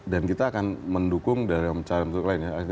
dan kita akan mendukung dalam cara cara lain ya